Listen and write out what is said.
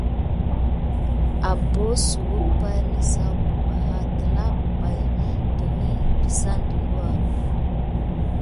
Abok suka pay nasaku ɓebawa telà bebaki dena desane.